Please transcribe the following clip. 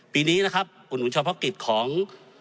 ปีนี้อุดหนุนเฉพาะกิจของ